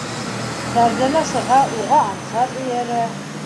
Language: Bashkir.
Фәрзәнә сыға, уға Ансар эйәрә.